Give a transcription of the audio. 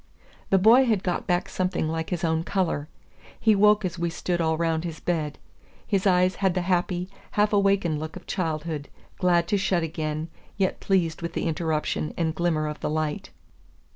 The boy had got back something like his own color. He woke as we stood all round his bed. His eyes had the happy, half awakened look of childhood, glad to shut again, yet pleased with the interruption and glimmer of the light.